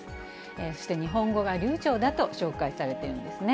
そして日本語が流ちょうだと紹介されているんですね。